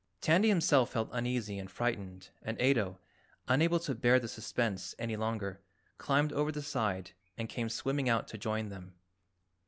Tandy himself felt uneasy and frightened and Ato, unable to bear the suspense any longer, climbed over the side and came swimming out to join them.